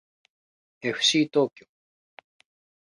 えふしー東京